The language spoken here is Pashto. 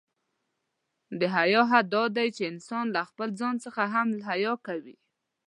د حیا حد دا دی، چې انسان له خپله ځان څخه هم حیا وکړي.